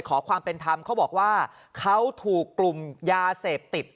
ขอความเป็นธรรมเขาบอกว่าเขาถูกกลุ่มยาเสพติด